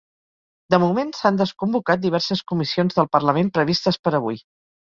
De moment, s’han desconvocat diverses comissions del parlament previstes per avui.